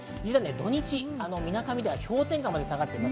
土日、みなかみでは氷点下まで下がります。